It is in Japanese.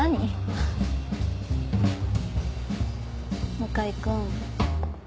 向井君。